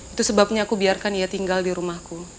itu sebabnya aku biarkan ia tinggal di rumahku